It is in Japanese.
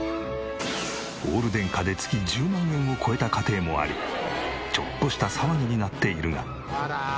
オール電化で月１０万円を超えた家庭もありちょっとした騒ぎになっているが。